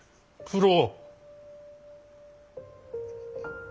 九郎。